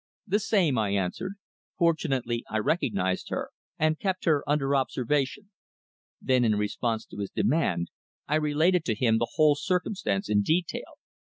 "The same," I answered. "Fortunately I recognised her and kept her under observation." Then, in response to his demand, I related to him the whole circumstance in detail.